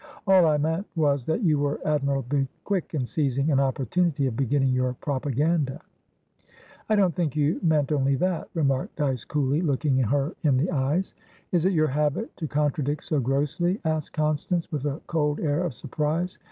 "All I meant was that you were admirably quick in seizing an opportunity of beginning your propaganda." "I don't think you meant only that," remarked Dyce, coolly, looking her in the eyes. "Is it your habit to contradict so grossly?" asked Constance, with a cold air of surprise.